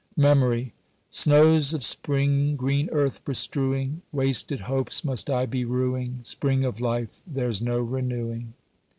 MEMORY. Snows of spring green earth bestrewing! Wasted hopes must I be rueing, Spring of life there's no renewing.